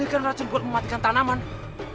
ini kan racun buat mematikan tanaman pak paiman